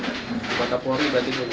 anggota polri berarti